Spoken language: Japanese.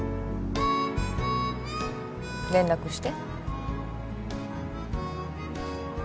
連絡して